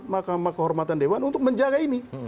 makam kehormatan dewa untuk menjaga ini